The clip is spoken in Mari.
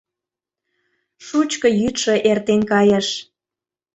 Шучко йӱдшӧ эртен кайыш